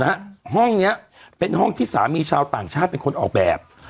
ห้องเนี้ยเป็นห้องที่สามีชาวต่างชาติเป็นคนออกแบบ